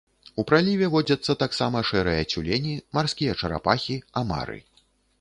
У праліве водзяцца таксама шэрыя цюлені, марскія чарапахі, амары.